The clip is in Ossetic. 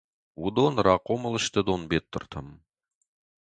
Уыдон рахъомыл сты Донбеттыртӕм.